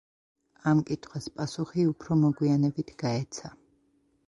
ამ კითხვას პასუხი უფრო მოგვიანებით გაეცა.